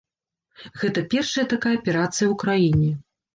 Гэта першая такая аперацыя ў краіне.